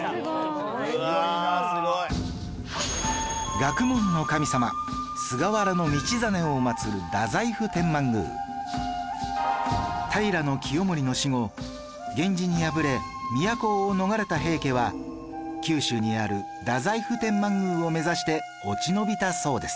学問の神様菅原道真を祀る太宰府天満宮平清盛の死後源氏に敗れ都を逃れた平家は九州にある太宰府天満宮を目指して落ち延びたそうです